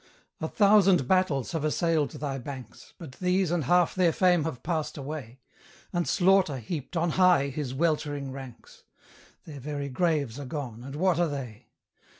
A thousand battles have assailed thy banks, But these and half their fame have passed away, And Slaughter heaped on high his weltering ranks: Their very graves are gone, and what are they?